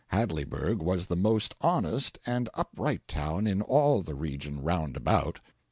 Hadleyburg was the most honest and upright town in all the region round about.